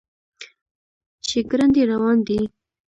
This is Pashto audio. چې ګړندی روان دی.